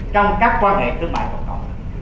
trong các quan hệ thương mại cộng cộng